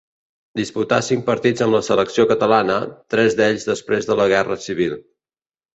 Disputà cinc partits amb la selecció catalana, tres d'ells després de la Guerra Civil.